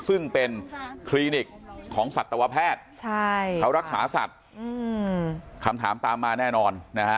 ซึ่งเป็นคลินิกของสัตวแพทย์เขารักษาสัตว์คำถามตามมาแน่นอนนะฮะ